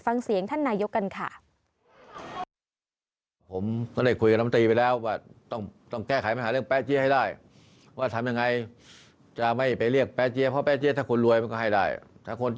ฟังเสียงท่านนายกัน